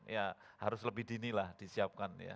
ya harus lebih dinilah disiapkan